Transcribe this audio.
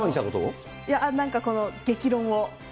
いや、なんか激論を。